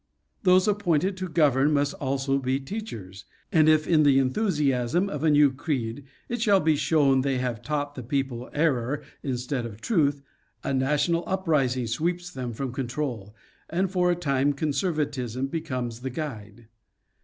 Those appointed to govern must also be teachers, and if in the enthusiasm of a new creed it shall be shown they have taught the people error in stead of truth, a national uprising sweeps them from control, and for a time conservatism becomes the guide.